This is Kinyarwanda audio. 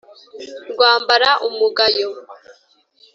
Rwambara umugayo